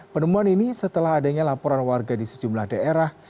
penemuan ini setelah adanya laporan warga di sejumlah daerah